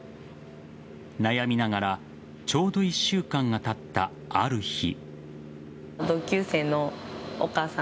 悩みながらちょうど１週間がたったある日。